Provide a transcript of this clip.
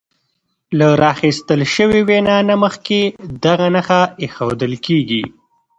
له راخیستل شوې وینا نه مخکې دغه نښه ایښودل کیږي.